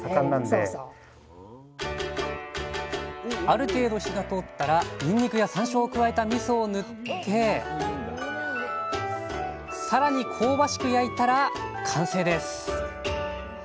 ある程度火が通ったらにんにくやさんしょうを加えたみそを塗ってさらに香ばしく焼いたら完成です